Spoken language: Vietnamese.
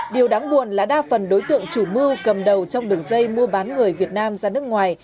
điều đáng buồn là đa phần đối tượng chủ mưu cầm đầu trong đường dây mua bán người việt nam ra nước ngoài